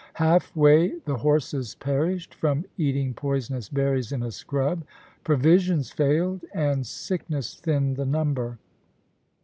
Half way the horses perished from eating poisonous berries in a scrub ; provisions failed, and sickness thinned the number.